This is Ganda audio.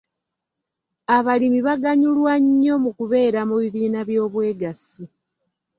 Abalimi baganyulwa nnyo mu kubeera mu bibiina by'obwegassi.